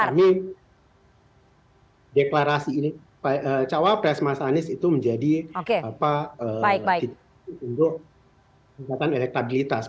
karena kami deklarasi ini cawapres mas anis itu menjadi titik untuk peningkatan elektabilitas